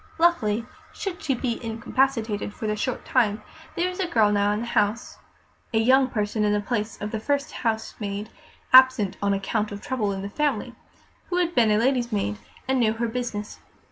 Luckily, should she be incapacitated for a short time, there was a girl now in the house (a young person in the place of the first housemaid, absent on account of trouble in the family) who had been lady's maid and knew her business.